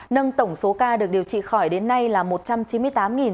nâng tổng số ca được điều trị khỏi đến nay là một trăm chín mươi tám sáu trăm một mươi bốn ca